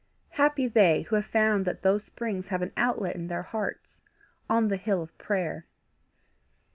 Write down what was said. Happy they who have found that those springs have an outlet in their hearts on the hill of prayer.